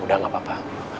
udah gak apa apa